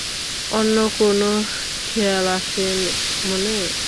অন্য কোনও খেয়াল আসে মনে?